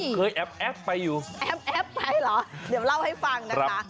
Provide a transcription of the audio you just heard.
เคยแอบแอปไปอยู่แอปแอปไปเหรอเดี๋ยวเล่าให้ฟังนะคะ